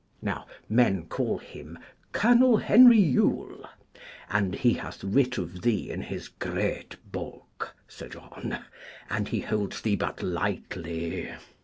Now men call him Colonel Henry Yule, and he hath writ of thee in his great booke, Sir John, and he holds thee but lightly.